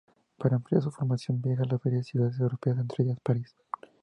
Para ampliar su formación viaja a varias ciudades europeas, entre ellas París.